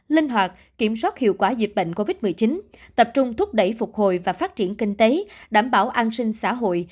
linh hoạt kiểm soát hiệu quả dịch bệnh covid một mươi chín tập trung thúc đẩy phục hồi và phát triển kinh tế đảm bảo an sinh xã hội